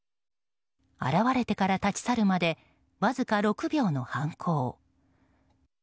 現れてから立ち去るまでわずか６秒の犯行。